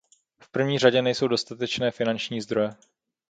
V první řadě nejsou dostatečné finanční zdroje.